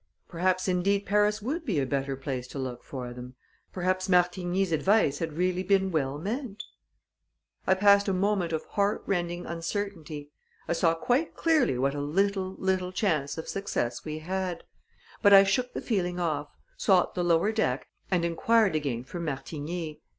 Perhaps, indeed, Paris would be a better place to look for them; perhaps Martigny's advice had really been well meant. I passed a moment of heart rending uncertainty; I saw quite clearly what a little, little chance of success we had. But I shook the feeling off, sought the lower deck, and inquired again for Martigny.